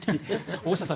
大下さん